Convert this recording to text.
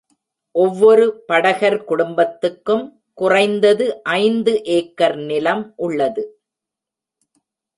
ஒவ்வொரு படகர் குடும்பத்துக்கும் குறைந்தது ஐந்து ஏக்கர் நிலம் உள்ளது.